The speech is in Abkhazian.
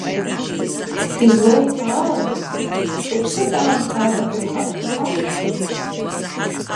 Излоуҳәо ала, шықәсык аамҭа аҭахуп ҳаԥхьаҟа?